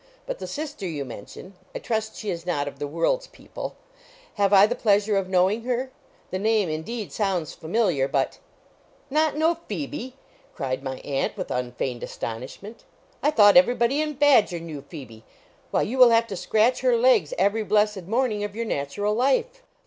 But the sister you mention (I trust she is not of the world's people) have I the pleasure of knowing her? The name, indeed, sounds familiar, but" "Not know Phoebe!" cried my aunt, with unfeigned astonishment; "I thought everybody in Badger knew Phoebe. Why, you will have to scratch her legs, every blessed morning of your natural life!"